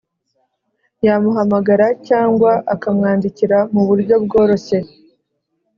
yamuhamagara cyangwa akamwandikira muburyo bworoshye.